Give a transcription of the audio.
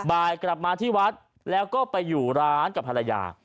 กลับมาที่วัดแล้วก็ไปอยู่ร้านกับภรรยา